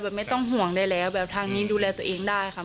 ไม่ต้องห่วงได้แล้วแบบทางนี้ดูแลตัวเองได้ค่ะ